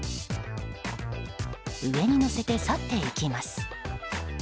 上にのせて去っていきます。